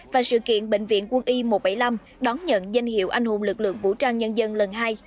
và sự kiện bệnh viện quân y một trăm bảy mươi năm đón nhận danh hiệu anh hùng lực lượng vũ trang nhân dân lần hai